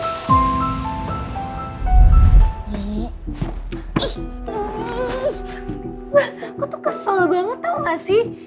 wah aku tuh kesel banget tau gak sih